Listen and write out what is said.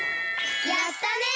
やったね！